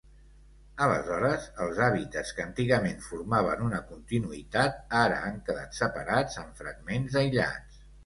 Aleshores, els hàbitats que antigament formaven una continuïtat ara han quedat separats en fragments aïllats.